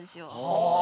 はあ。